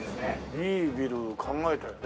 いいビル考えたよね。